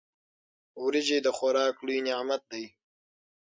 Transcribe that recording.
وريجي د خوراک لوی نعمت دی.